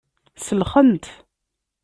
Selxen-t.